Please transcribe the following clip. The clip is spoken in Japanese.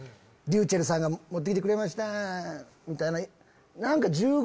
「ｒｙｕｃｈｅｌｌさんが持って来てくれました」みたいな。